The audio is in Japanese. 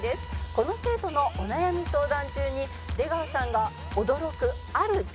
「この生徒のお悩み相談中に出川さんが驚くある出来事が起きます」